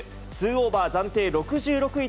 ２オーバー暫定６６位